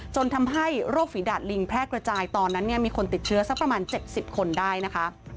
จนทำให้โรคฝีดาดลิงแพร่กระจายตอนนั้นเนี่ยมีคนติดเชื้อสักประมาณ๗๐คนได้นะคะ